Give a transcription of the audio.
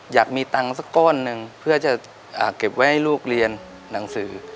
อยากมีตังค์สักก้อนหนึ่งเพื่อจะเก็บไว้ให้ลูกเรียนหนังสือ